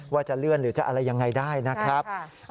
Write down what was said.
ว่าจะเลื่อนหรือจะอะไรยังไงได้นะครับ